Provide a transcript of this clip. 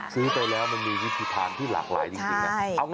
ซื้อไปแล้วมันมีวิธีทานที่หลากหลายจริงนะ